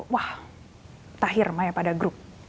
wah tahir maya pada grup